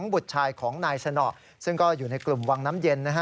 บุตรชายของนายสนอซึ่งก็อยู่ในกลุ่มวังน้ำเย็นนะฮะ